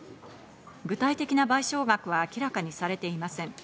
具体的な賠償額は明らかにされていません。